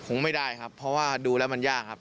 คงไม่ได้ครับเพราะว่าดูแล้วมันยากครับ